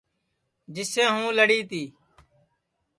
جسے ہوں لڑی تی